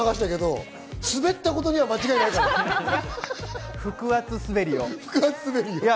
すべったことには間違いないからね。